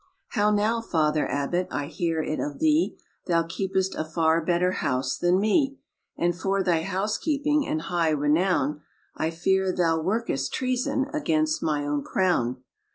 "How now, father abbot, I hear it of thee, Thou keepest a far better house than me; And for thy house keeping and high renown, I fear thou work'st treason against my own crown."